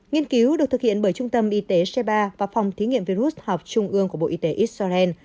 nghiên cứu được thực hiện bởi trung tâm y tế sheba và phòng thí nghiệm virus họp trung ương của bộ y tế israel